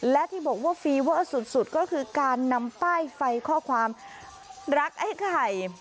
และที่บอกว่าฟีเวอร์สุดก็คือการนำป้ายไฟข้อความรักไอ้ไข่